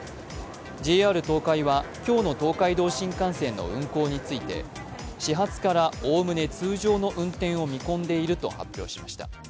ＪＲ東海は今日の東海道新幹線の運行について始発からおおむね通常の運転を見込んでいると発表しました。